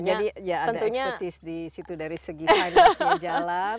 jadi ya ada expertise di situ dari segi panasnya jalan